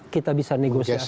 kita bisa negosiasi